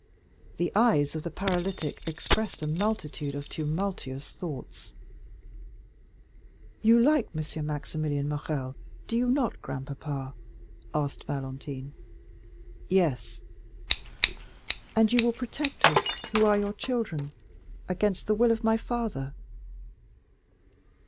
The eyes of the paralytic expressed a multitude of tumultuous thoughts. "You like M. Maximilian Morrel, do you not, grandpapa?" asked Valentine. "Yes." "And you will protect us, who are your children, against the will of my father?"